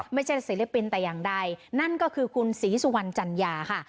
ศิลปินแต่อย่างใดนั่นก็คือคุณศรีสุวรรณจัญญาค่ะ